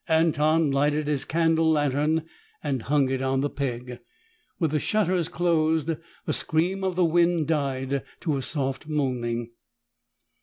Anton lighted his candle lantern and hung it on the peg. With the shutters closed, the scream of the wind died to a soft moaning.